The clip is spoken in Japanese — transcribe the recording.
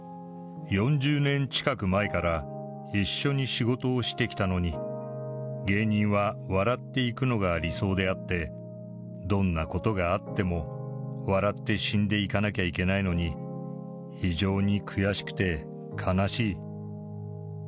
４０年近く前から一緒に仕事をしてきたのに、芸人は笑っていくのが理想であって、どんなことがあっても、笑って死んでいかなきゃいけないのに、非常に悔しくて悲しい。